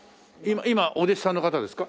今お弟子さんの方ですか？